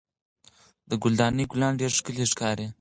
د ګل دانۍ ګلان ډېر ښکلي ښکاري.